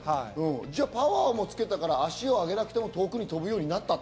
じゃあ、パワーもつけたから足を上げなくても遠くに飛ぶようになったと？